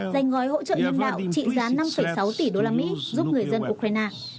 dành gói hỗ trợ nhân đạo trị giá năm sáu tỷ đô la mỹ giúp người dân ukraine